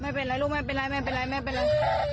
ไม่เป็นไรลูกไม่เป็นไร